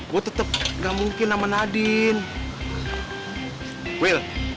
gua tetep gak mungkin sama nadine